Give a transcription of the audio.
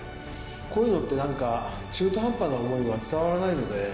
こういうのってなんか中途半端な思いは伝わらないので。